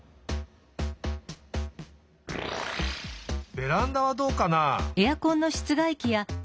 ベランダはどうかな？